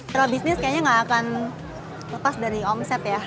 kalau bisnis kayaknya nggak akan lepas dari omset ya